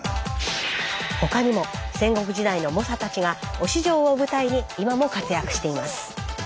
他にも戦国時代の猛者たちが忍城を舞台に今も活躍しています。